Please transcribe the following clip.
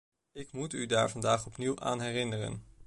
Ik moet u daar vandaag opnieuw aan herinneren.